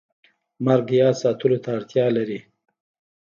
مرګ یاد ساتلو ته اړتیا لري